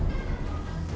ya makasih ya